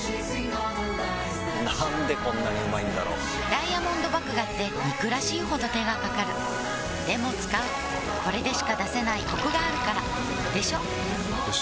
なんでこんなにうまいんだろうダイヤモンド麦芽って憎らしいほど手がかかるでも使うこれでしか出せないコクがあるからでしょよ